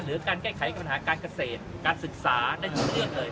หรือการแก้ไขกับปัญหาการเกษตรการศึกษาได้อยู่เรื่องเลย